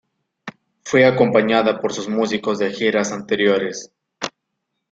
Fue acompañada por sus músicos de giras anteriores.